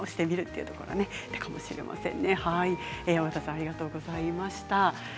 小方さんありがとうございました。